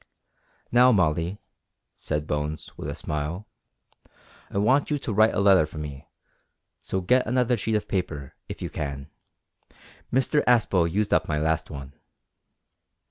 "Now, Molly," said Bones, with a smile, "I want you to write a letter for me, so get another sheet of paper, if you can; Mr Aspel used up my last one."